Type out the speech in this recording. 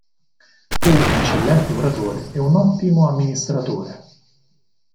Fu un eccellente oratore e ottimo amministratore.